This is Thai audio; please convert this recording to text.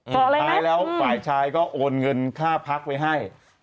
ตลอดเลยนะพายแล้วขายชายก็โอนเงินค่าพักไปให้